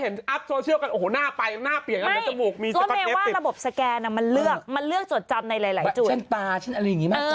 แนบสแกนละมันเลือกมันเลือกจดจับในหลายจุดช่วงอะไรอย่าง